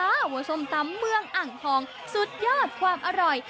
ว่าส้มตำเมืองอ่างทองสุดยอดความอร่อย